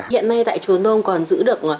hiện nay tại chùa nông còn giữ được